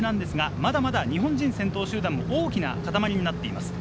まだまだ日本人先頭集団、大きな固まりになっています。